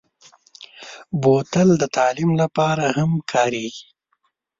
بوتل د تعلیم لپاره هم کارېږي.